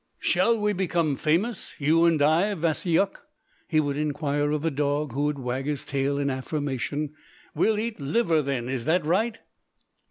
"Shall we become famous, you and I, Vasyuk?" he would inquire of the dog, who would wag his tail in affirmation. "We'll eat liver then, is that right?"